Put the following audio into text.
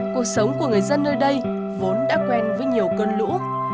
cuộc sống của người dân nơi đây vốn đã quen với nhiều cơn lũ